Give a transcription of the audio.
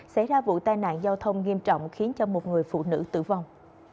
xảy ra vụ tai nạn giao thông nghiêm trọng khiến cho một người phụ nữ tử vong